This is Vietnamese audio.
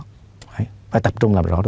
phải tập trung làm rõ đó